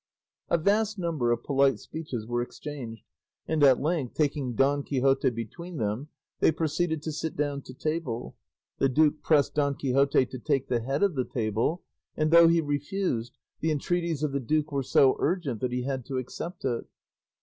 A vast number of polite speeches were exchanged, and at length, taking Don Quixote between them, they proceeded to sit down to table. The duke pressed Don Quixote to take the head of the table, and, though he refused, the entreaties of the duke were so urgent that he had to accept it.